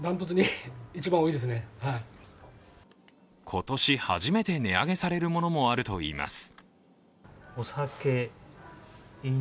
今年初めて値上げされるものもあるといいます。